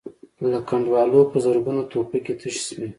له کنډوالو په زرګونو ټوپکې تشې شوې.